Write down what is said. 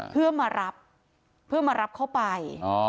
เพื่อมารับเข้าไป